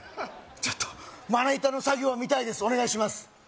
ちょっとまな板の作業見たいですお願いします